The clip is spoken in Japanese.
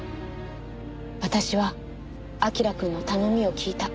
私は彬くんの頼みを聞いた。